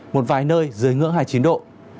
một vài nơi dưới ngưỡng hai mươi chín độ